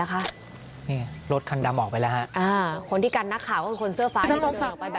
ขอถามเพราะหน่อยได้ไหมครับ